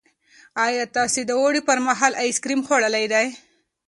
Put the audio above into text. ایا تاسو د اوړي پر مهال آیس کریم خوړلي دي؟